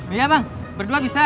iya bang berdua bisa